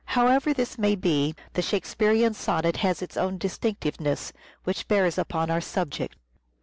However this may be, the Shakespearean sonnet has its own distinctiveness, which bears upon our subject.